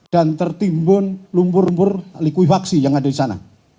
dan tertimbun lumpur lumpur likuifaksi yang ada di sana